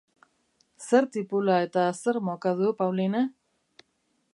Zer tipula eta zer mokadu, Pauline?